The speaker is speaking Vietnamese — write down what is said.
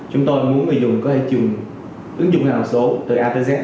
chúng tôi muốn người dùng có thể chịu ứng dụng hàng số từ a tới z